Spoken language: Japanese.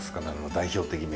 代表的な。